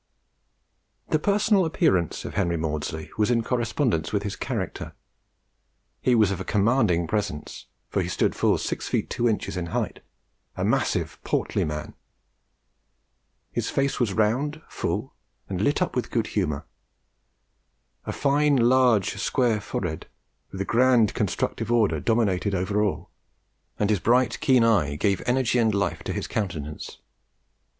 The personal appearance of Henry Maudslay was in correspondence with his character. He was of a commanding presence, for he stood full six feet two inches in height, a massive and portly man. His face was round, full, and lit up with good humour. A fine, large, and square forehead, of the grand constructive order, dominated over all, and his bright keen eye gave energy and life to his countenance.